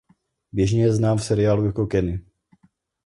Běžně je v seriálu znám jako Kenny.